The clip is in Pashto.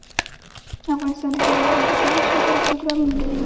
افغانستان د جواهرات د ترویج لپاره پروګرامونه لري.